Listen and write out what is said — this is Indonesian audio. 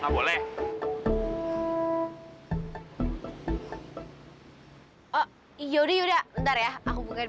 pak teran pak teran pak teran